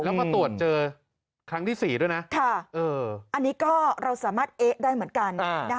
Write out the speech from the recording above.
แล้วก็ตรวจเจอครั้งที่๔ด้วยนะอันนี้ก็เราสามารถเอ๊ะได้เหมือนกัน